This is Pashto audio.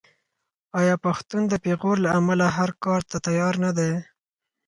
آیا پښتون د پېغور له امله هر کار ته تیار نه دی؟